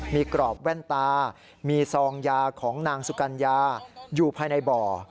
มีกรอบแว่นตามีซองยาของนางสุกัญญาอยู่ภายในบ่อ